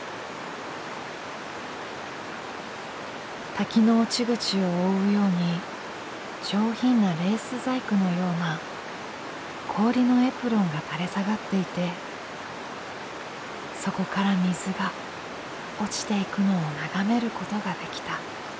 「滝の落ち口を覆うように上品なレース細工のような氷のエプロンが垂れ下がっていてそこから水が落ちていくのを眺めることができた」。